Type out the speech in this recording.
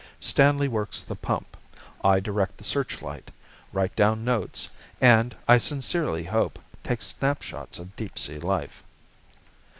Stanley works the pump. I direct the searchlight, write down notes, and, I sincerely hope, take snapshots of deep sea life."